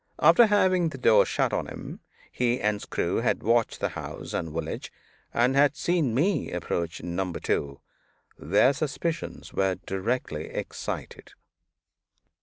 After having the door shut on him, he and Screw had watched the house and village, and had seen me approach Number Two. Their suspicions were directly excited.